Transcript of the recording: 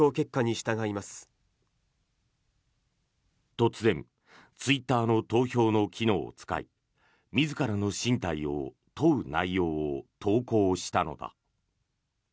突然ツイッターの投票の機能を使い自らの進退を問う内容を投稿したのだ。